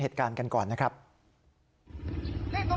ที่นั้นมันี่ตั้ง